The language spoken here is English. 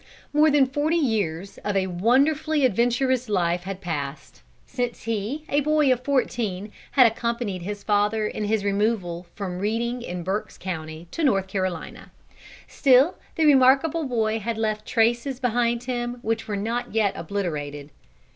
More than forty years of a wonderfully adventurous life had passed, since he a boy of fourteen had accompanied his father in his removal from Reading, in Berk's County, to North Carolina. Still the remarkable boy had left traces behind him which were not yet obliterated.